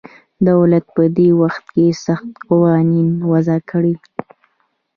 دولت په دې وخت کې سخت قوانین وضع کړل